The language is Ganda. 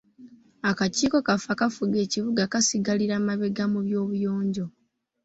Akakiiko kaffe akafuga ekibuga kasigalira mabega mu by'obuyonjo.